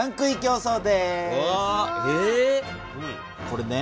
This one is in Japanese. これね。